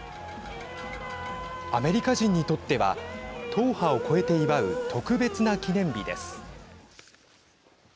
アメリカ人にとっては党派を超えて祝う特別な記念日です。